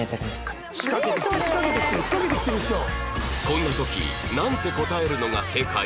こんな時なんて答えるのが正解？